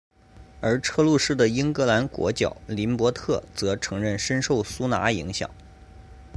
而车路士的英格兰国脚林柏特则承认深受苏拿影响。